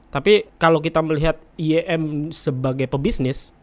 tapi kalau kita melihat ym sebagai pebisnis